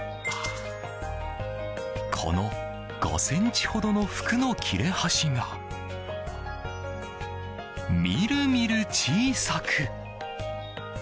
この５ｃｍほどの服の切れ端がみるみる小さく！